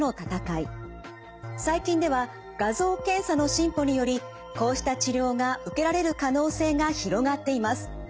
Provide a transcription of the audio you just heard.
最近では画像検査の進歩によりこうした治療が受けられる可能性が広がっています。